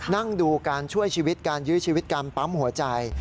นั่งดูการช่วยชีวิตการยื้อชีวิตการปั๊มหัวใจ